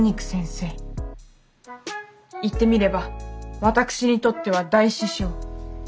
言ってみれば私にとっては大師匠。